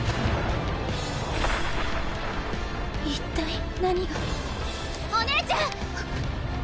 一体何がお姉ちゃん！